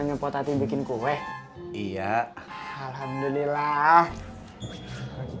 kayaknya teman bangkuin cy guam belly saya juga